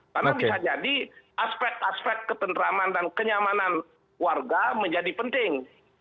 karena bisa jadi aspek aspek ketentraman dan kenyamanan warga menjadi penting